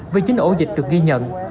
với chính ổ dịch được ghi nhận